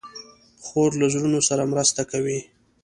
خور له زړونو سره مرسته کوي.